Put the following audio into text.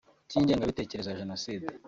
cy’ingengabitekerezo ya Jenoside